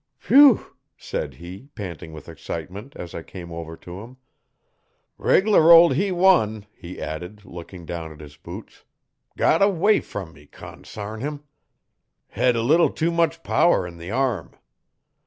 'Whew!' said he, panting with excitement, as I came over to him. 'Reg'lar ol' he one,' he added, looking down at his boots. 'Got away from me consarn him! Hed a leetle too much power in the arm.'